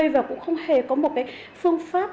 và cũng không hề có một phương pháp